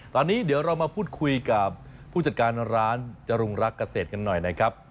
ตอนนี้เดี๋ยวเรามาพูดคุยกับผู้จัดการร้านจรุงรักเกษตรกันหน่อยนะครับ